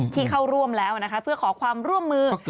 ที่เข้าร่วมแล้วนะคะเพื่อขอความร่วมมือ